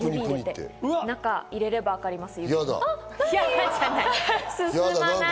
中に指を入れれば分かります。